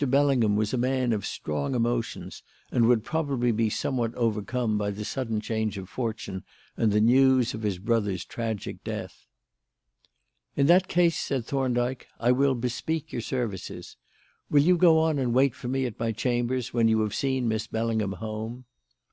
Bellingham was a man of strong emotions and would probably be somewhat overcome by the sudden change of fortune and the news of his brother's tragic death. "In that case," said Thorndyke, "I will bespeak your services. Will you go on and wait for me at my chambers, when you have seen Miss Bellingham home?"